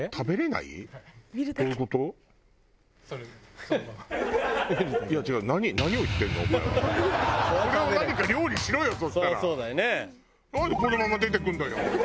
なんでこのまま出てくるんだよ。